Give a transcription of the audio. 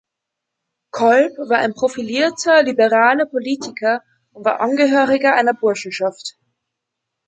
Kolb war ein profilierter liberaler Politiker und war Angehöriger einer Burschenschaft.